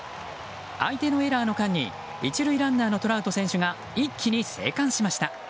相手のエラーの間に１塁ランナーのトラウト選手が一気に生還しました。